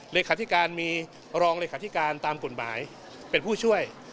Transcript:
เลขาธิการมีรองเลขาธิการตามกฎหมายเป็นผู้ช่วย